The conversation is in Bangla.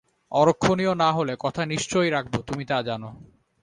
অরক্ষণীয় না হলে কথা নিশ্চয় রাখব তুমি তা জান।